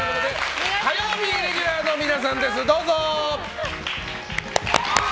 火曜日、レギュラーの皆さんどうぞ！